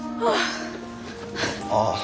ああ。